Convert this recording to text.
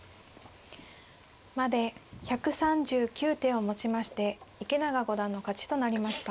まで１３９手をもちまして池永五段の勝ちとなりました。